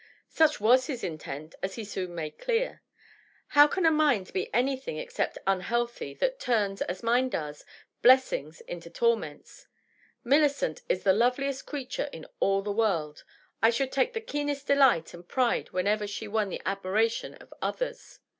Such was his intent, as he soon made clear. " How can a mind be anything except unhealthy that turns, as mine does, blessinss into tor ments ? Millicent is the loveliest creature in all the world ; I should take the keenest delight and pride whenever she won the admiration of others."